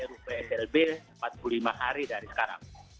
rups lb empat puluh lima hari dari sekarang